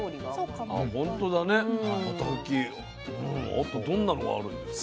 あとどんなのがあるんですか？